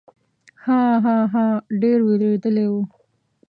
ها، ها، ها، ډېر وېرېدلی و.